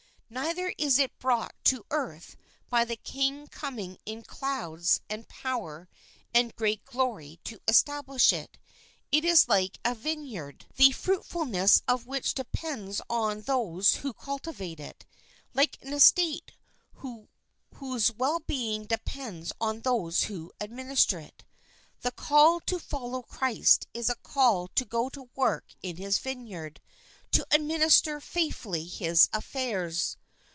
Neither is it brought to the earth by the King coming in clouds and power and great glory to establish it. It is like a vineyard, the INTRODUCTION fruitfulness of which depends on those who culti vate it ; like an estate whose wellbeing depends on those who administer it. The call to follow Christ is a call to go to work in his vineyard, to administer faithfully his affairs.